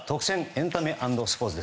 エンタメ＆スポーツ。